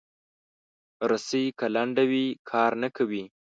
رسۍ که لنډه وي، کار نه کوي.